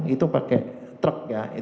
itu pakai truk ya